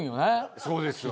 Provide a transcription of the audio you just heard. そうですよ。